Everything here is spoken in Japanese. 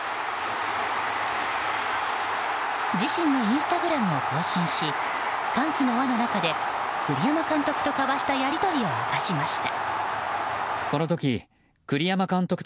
自身のインスタグラムを更新し歓喜の輪の中で栗山監督と交わしたやりとりを明かしました。